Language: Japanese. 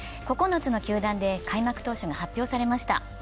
９つの球団で開幕投手が発表されました。